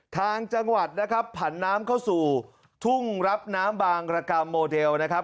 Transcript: ทางจังหวัดนะครับผันน้ำเข้าสู่ทุ่งรับน้ำบางรกรรมโมเดลนะครับ